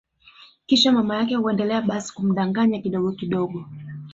Kisha mama yake huendelea basi kumdanganya kidogo kidogo